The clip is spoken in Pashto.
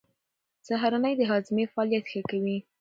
سهارنۍ د هاضمې فعالیت ښه کوي.